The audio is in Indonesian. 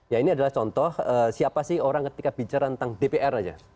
ya ini adalah contoh siapa sih orang ketika bicara tentang dpr saja